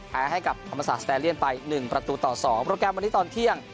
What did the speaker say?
แพ้ให้กับธรรมศาสตร์แสนเลียนไปหนึ่งประตูต่อสองโปรแกรมวันนี้ตอนเที่ยง